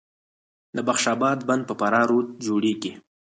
د بخش اباد بند په فراه رود جوړیږي